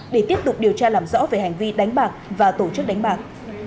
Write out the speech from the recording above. để tiếp tục điều tra làm rõ về hành vi đánh bạc và tổ chức đánh bạc